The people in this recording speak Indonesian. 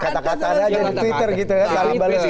kata kata ada aja di twitter gitu